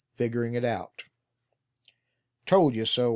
FIGURING IT OUT. "Told you so!"